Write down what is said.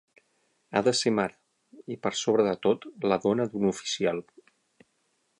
Ha de ser mare, i per sobre de tot, la dona d'un oficial.